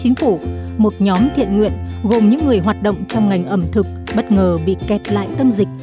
nhóm thiện nguyện gồm những người hoạt động trong ngành ẩm thực bất ngờ bị kẹt lại tâm dịch